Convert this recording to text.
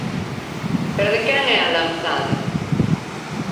Pero de quen é A Lanzada?